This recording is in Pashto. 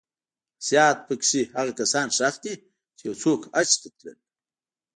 زیات په کې هغه کسان ښخ دي چې یو وخت حج ته تلل.